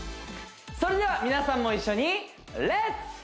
それでは皆さんも一緒にレッツ！